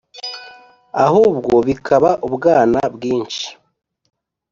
ahubwo bikaba ubwana bwinshi.